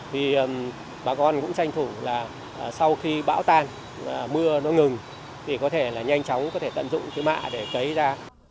thì bà con cũng tranh thủ là sau khi bão tan mưa ngừng thì có thể nhanh chóng tận dụng mạ để cấy ra